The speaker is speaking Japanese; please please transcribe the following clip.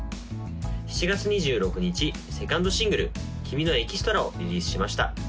７月２６日２ｎｄシングル「君のエキストラ」をリリースしました